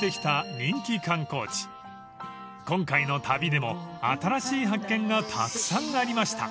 ［今回の旅でも新しい発見がたくさんありました］